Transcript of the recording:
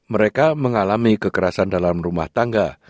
mereka mengalami kekerasan dalam rumah tangga